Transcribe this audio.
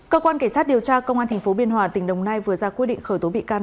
cơ quan cảnh sát điều tra công an tp biên hòa tỉnh đồng nai vừa ra quyết định khởi tố bị can